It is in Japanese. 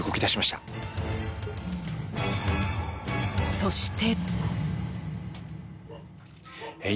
そして。